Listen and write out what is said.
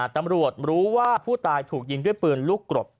ตำรวจรู้ว่าผู้ตายถูกยิงด้วยปืนลูกกรด